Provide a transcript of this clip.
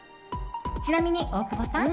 ちなみに、大久保さん！